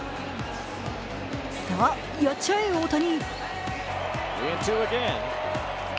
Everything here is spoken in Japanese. さあ、やっちゃえ大谷。